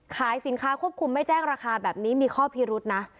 ขายสินค้าควบคุมไม่แจ้งราคาแบบนี้มีข้อพิรุษนะ